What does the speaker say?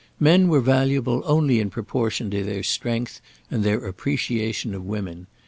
Men were valuable only in proportion to their strength and their appreciation of women.